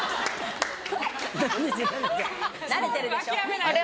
慣れてるでしょ。